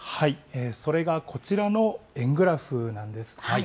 それがこちらの円グラフなんです。